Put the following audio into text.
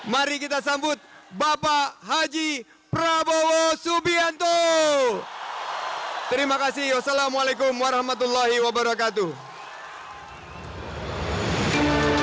mari kita sambut bapak haji prabowo subianto terima kasih wassalamualaikum warahmatullahi wabarakatuh